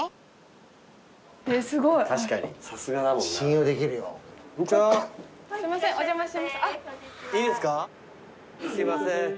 すいません。